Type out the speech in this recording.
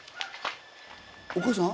お母さん？